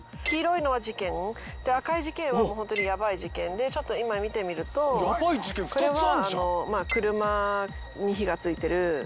黄色いのは事件赤い事件はもうホントにヤバい事件でちょっと今見てみるとこれは車に火がついてる。